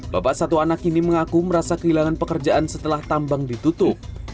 bapak satu anak ini mengaku merasa kehilangan pekerjaan setelah tambang ditutup